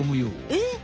えっ？